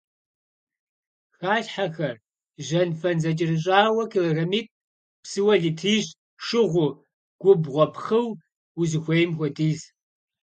Халъхьэхэр: жьэнфэн зэкӀэрыщӀауэ килограммитӏ, псыуэ литрищ, шыгъуу, губгъуэпхъыу — узыхуейм хуэдиз.